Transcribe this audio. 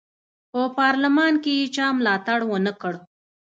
په پارلمان کې یې چا ملاتړ ونه کړ.